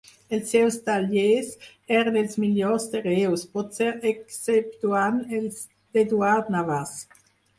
Els seus tallers eren els millors de Reus, potser exceptuant els d'Eduard Navàs.